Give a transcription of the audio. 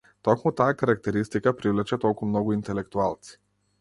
Токму таа карактеристика привлече толку многу интелектуалци.